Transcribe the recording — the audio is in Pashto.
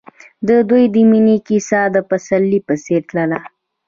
د دوی د مینې کیسه د پسرلی په څېر تلله.